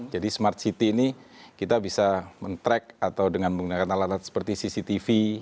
jadi smart city ini kita bisa men track atau dengan menggunakan alat alat seperti cctv